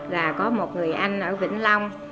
và có một người anh ở vĩnh long